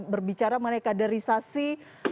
berbicara mengenai kaderisasi